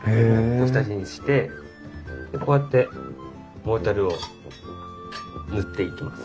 これ下地にしてこうやってモルタルを塗っていきます。